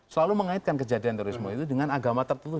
selalu mengaitkan kejadian terorisme itu dengan agama tertentu